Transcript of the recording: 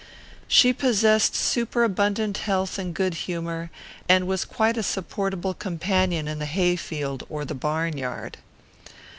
She possessed super abundant health and good humour, and was quite a supportable companion in the hay field or the barnyard.